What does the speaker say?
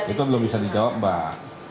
itu belum bisa dijawab mbak